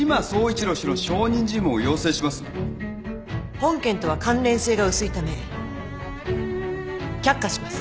本件とは関連性が薄いため却下します